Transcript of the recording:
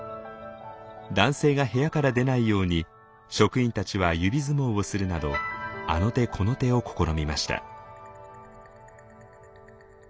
男性が部屋から出ないように職員たちは指相撲をするなどあの手この手を試みました。